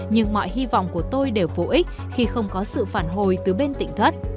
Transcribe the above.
nhưng mọi hy vọng của tôi đều vô ích khi không có sự phản hồi từ bên tỉnh thất